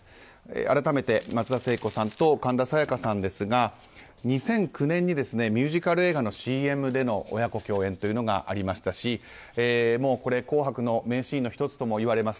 改めて、松田聖子さんと神田沙也加さんですが２００９年にミュージカルの映画のＣＭでの親子共演がありましたし「紅白」の名シーンの１つともいわれます